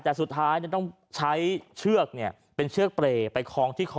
แต่สุดท้ายต้องใช้เชือกเป็นเชือกเปรย์ไปคลองที่คอ